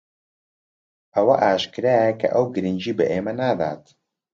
ئەوە ئاشکرایە کە ئەو گرنگی بە ئێمە نادات.